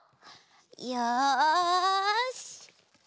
よし！